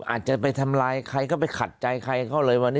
อาจจะไปทำลายใครก็ไปขัดใจใครเขาเลยวันนี้